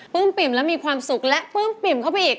ปึ้มปลิบแล้วมีความสุขและปึ้มตัวเข้าไปอีก